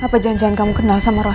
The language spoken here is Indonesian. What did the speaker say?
apa janjian kamu kenal sama roh